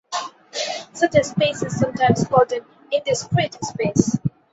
Such a space is sometimes called an indiscrete space.